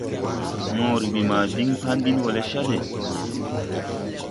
Moore ɓi ma ɓin Pan ɓi wo le Chad.